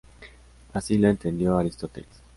Así lo entendió Aristóteles.